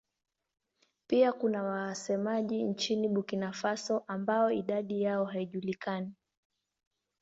Pia kuna wasemaji nchini Burkina Faso ambao idadi yao haijulikani.